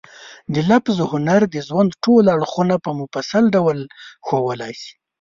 لفظي هنر د ژوند ټول اړخونه په مفصل ډول ښوولای شي.